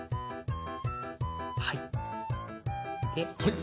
はい。